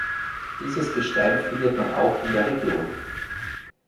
Dieses Gestein findet man auch in der Region.